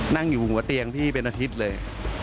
นั่งอยู่หัวเตียงพี่เป็นอาทิตย์เลย